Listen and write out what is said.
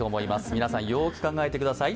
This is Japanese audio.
皆さん、よーく考えてください。